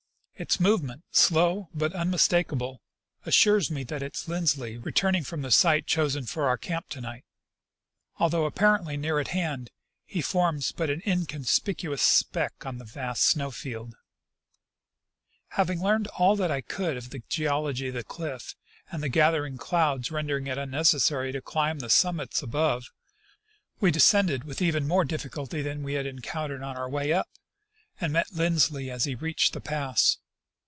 Its movement, slow but unmistakable, assures me that it is Lindsley returning from the site chosen for our camp to night. Although apparently n_ear at hand, he forms but an inconspicuous speck on the vast snow field. A Dangerous Mountain Camp. 135 Having learned all that I could of the geology of the cliff, and the gathering clouds rendering it unnecessary to climb the sum mits above, we descended with even more difficulty than we had encountered on our Avay up, and met Lindsley as he reached the pass.